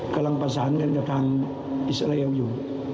กำลังประสานกันกับทางอิสาเลียอยู่